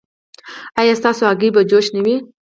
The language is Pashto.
ایا ستاسو هګۍ به جوش نه وي؟